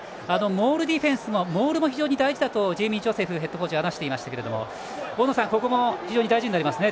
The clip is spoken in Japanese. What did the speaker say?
モールディフェンスのモールも非常に大事だとジェイミー・ジョセフヘッドコーチが話していましたが大野さん、ここも非常に大事になりますね